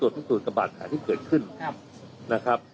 ดูป๊ายไปให้ธุรกิจเวทย์